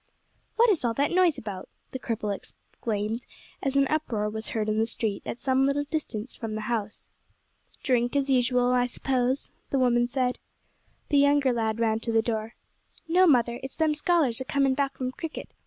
"What is all that noise about?" the cripple exclaimed, as an uproar was heard in the street at some little distance from the house. "Drink, as usual, I suppose," the woman said. The younger lad ran to the door. "No, mother; it's them scholars a coming back from cricket.